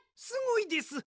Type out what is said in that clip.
すごいです！